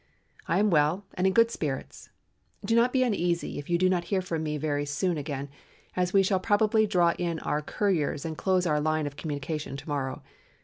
I am well and in good spirits. Do not be uneasy if you do not hear from me very soon again, as we shall probably draw in our couriers and close our line of communication to morrow.